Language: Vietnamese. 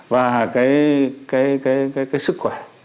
và cái sức khỏe